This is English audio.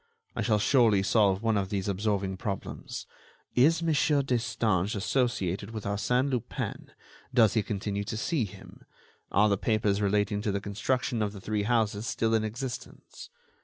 I shall surely solve one of these absorbing problems: Is Mon. Destange associated with Arsène Lupin? Does he continue to see him? Are the papers relating to the construction of the three houses still in existence?